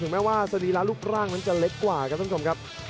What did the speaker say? ถึงแม้ว่าสฤริราลุ่กร่างจะเล็กกว่าครับท่านผู้ชมครับ